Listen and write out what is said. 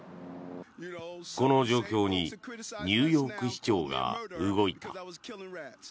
この状況にニューヨーク市長が動いた。